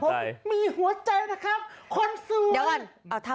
ท่ะภาพรมนี้หรอครับถึงต้องมี